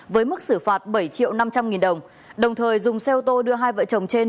với mức xử phạt bảy triệu năm trăm linh nghìn đồng đồng thời dùng xe ô tô đưa hai vợ chồng trên